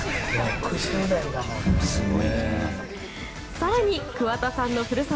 更に桑田さんの故郷